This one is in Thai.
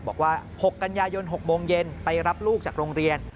บอกว่า๖กันยายน๖โมงเย็นไปรับลูกจากโรงเรียน